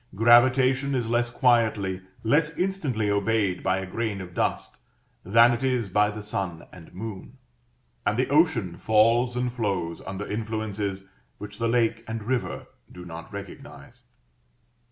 Gravitation is less quietly, less instantly obeyed by a grain of dust than it is by the sun and moon; and the ocean falls and flows under influences which the lake and river do not recognize.